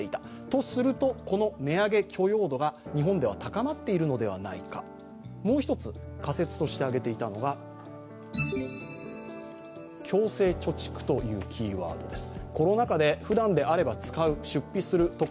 とすると、この値上げ許容度が日本では高まっているのではないか、もう一つ仮説として挙げていたのが強制貯蓄というキーワードです。